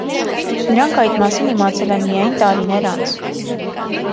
Նրանք այդ մասին իմացել են միայն տարիներ անց։